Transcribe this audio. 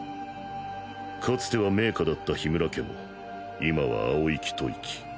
かつては名家だった氷叢家も今は青息吐息。